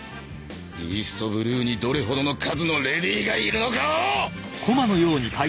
イーストブルーにどれほどの数のレディがいるのかを！